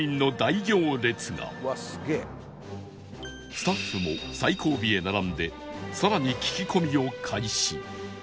スタッフも最後尾へ並んで更に聞き込みを開始